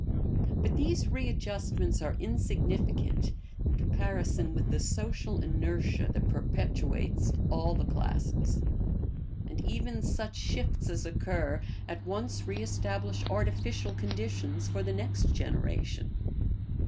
But these readjustments are insignificant in comparison with the social inertia that perpetuates all the classes, and even such shifts as occur at once re establish artificial conditions for the next generation.